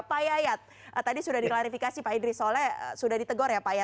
pak yayat tadi sudah diklarifikasi pak idris soalnya sudah ditegor ya pak ya